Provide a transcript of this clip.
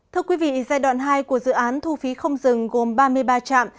thưa quý vị giai đoạn hai của dự án thu phí không dừng gồm ba mươi ba trạm